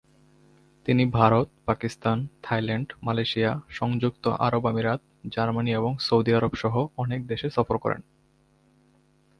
তিনি Bharat, Pakistan, Thailand, Malaysia, সংযুক্ত আরব আমিরাত, জার্মানি এবং সৌদি আরব সহ অনেক দেশ সফর করেন।